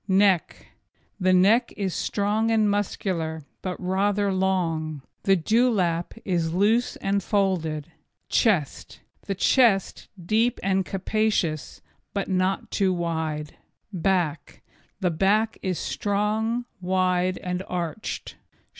NECK The neck is strong and muscular, but rather long. The dewlap is loose and folded. CHEST The chest, deep and capacious, but not too wide. BACK The back is strong, wide and arched.